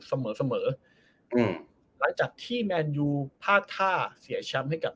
เสมอเสมออืมหลังจากที่แมนยูพากท่าเสียแชมป์ให้กับ